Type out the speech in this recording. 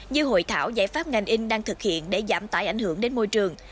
như hội thảo giải pháp ngành in đang thực hiện để giảm tải ảnh hưởng đến môi trường